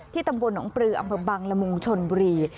ที่ตำบลหนองปลืออำบังละมูลชนบรี